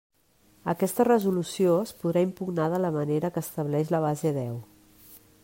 Aquesta resolució es podrà impugnar de la manera que estableix la base deu.